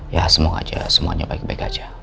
ya semoga aja semuanya baik baik aja